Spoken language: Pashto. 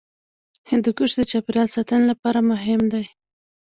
هندوکش د چاپیریال ساتنې لپاره مهم دی.